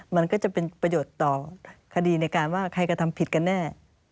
มันก็จะเป็นประโยชน์ต่อคดีในการว่าใครกระทำผิดกันแน่